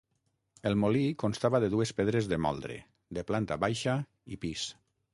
El molí constava de dues pedres de moldre, de planta baixa i pis.